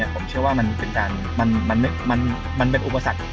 ผมเชื่อว่ามันเป็นอุปสรรค